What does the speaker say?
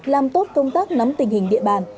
làm tốt công tác nắm tình hình địa bàn